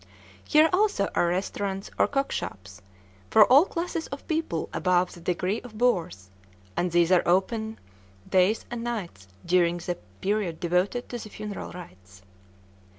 Here also are restaurants, or cook shops, for all classes of people above the degree of boors; and these are open day and night during the period devoted to the funeral rites.